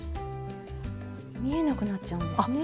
見えなくなっちゃうんですね。